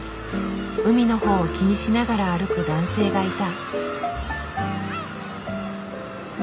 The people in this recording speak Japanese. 海のほうを気にしながら歩く男性がいた。